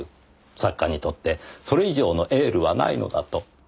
作家にとってそれ以上のエールはないのだと。